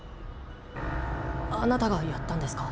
あなたがやったんですか？